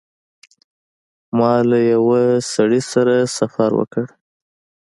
ما له یوه سړي سره سفر وکړ.